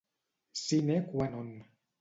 Sine qua non.